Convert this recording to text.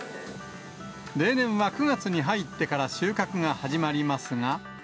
例年は９月に入ってから収穫が始まりますが。